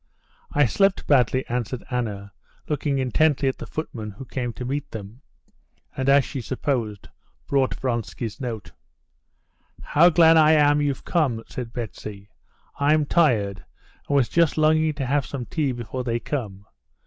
"I slept badly," answered Anna, looking intently at the footman who came to meet them, and, as she supposed, brought Vronsky's note. "How glad I am you've come!" said Betsy. "I'm tired, and was just longing to have some tea before they come.